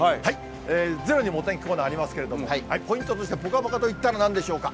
ｚｅｒｏにもお天気コーナーありますけれども、ポイントとして、ぽかぽかと言ったら、なんでしょうか。